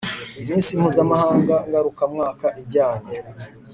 iminsi mpuzamahanga ngarukamwaka ijyanye